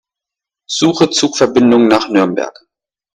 Suche Zugverbindungen nach Nürnberg.